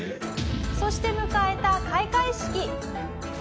そして迎えた開会式。